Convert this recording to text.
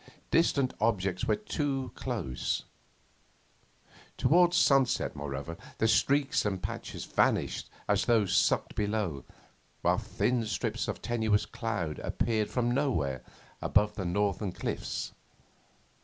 Distant objects were too close. Towards sunset, moreover, the streaks and patches vanished as though sucked below, while thin strips of tenuous cloud appeared from nowhere above the northern cliffs.